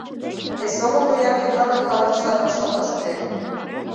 Эсогыл доярке-влакын халатыштат вашталташ уке.